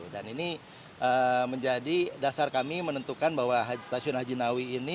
dan ini menjadi dasar kami menentukan bahwa stasiun hajinawi ini